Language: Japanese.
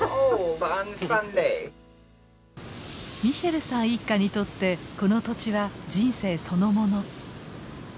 ミシェルさん一家にとってこの土地は人生そのもの。